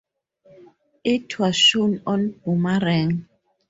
It was shown on Boomerang.